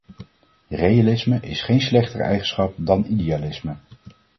Realisme is geen slechtere eigenschap dan idealisme.